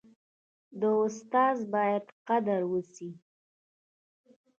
د استاد باید قدر وسي.